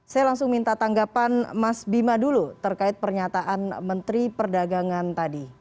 saya langsung minta tanggapan mas bima dulu terkait pernyataan menteri perdagangan tadi